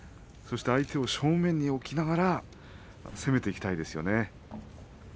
相手を正面に置きながら攻めていきたいですよね。